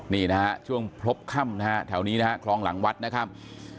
นี่นะฮะช่วงพบค่ำนะฮะแถวนี้นะฮะคลองหลังวัดนะครับ